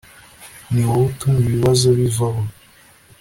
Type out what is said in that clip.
niwowe utuma ibibazo bivaho